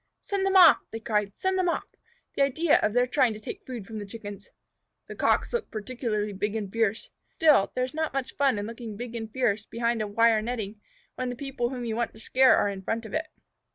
"Send them off!" they cried. "Send them off! The idea of their trying to take food from the Chickens!" The Cocks looked particularly big and fierce. Still, there is not much fun in looking big and fierce behind a wire netting, when the people whom you want to scare are in front of it.